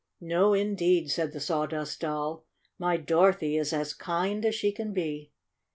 "No, indeed!" said the Sawdust Doll. "My Dorothy is as kind as she can be."